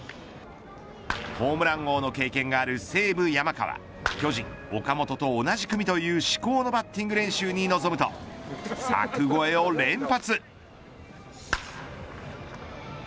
ホームラン王の経験がある西武、山川巨人、岡本と同じ組という至高のバッティング練習に臨むと柵越えを連発。